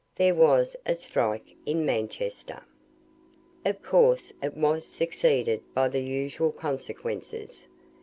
There was a strike in Manchester. Of course it was succeeded by the usual consequences.